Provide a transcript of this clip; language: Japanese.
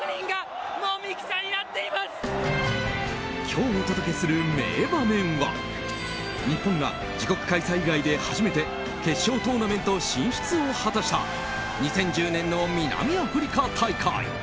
今日お届けする名場面は日本が自国開催以外で初めて決勝トーナメント進出を果たした２０１０年の南アフリカ大会。